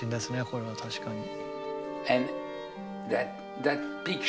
これは確かに。